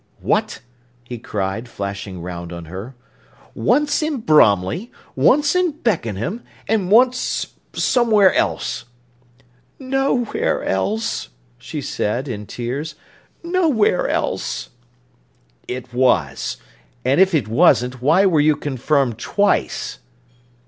"What!" he cried, flashing round on her. "Once in Bromley, once in Beckenham, and once somewhere else." "Nowhere else!" she said, in tears—"nowhere else!" "It was! And if it wasn't why were you confirmed _twice?